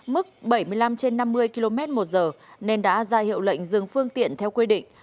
mức bảy mươi năm trên năm mươi km một giờ nên đã ra hiệu lệnh dừng phương tiện theo quy định